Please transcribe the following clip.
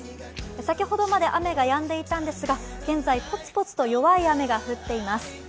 先ほどまで雨がやんでいたんですが、現在、ポツポツと弱い雨が降っています。